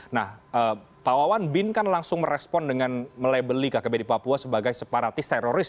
nah pak wawan bin kan langsung merespon dengan melabeli kkb di papua sebagai separatis teroris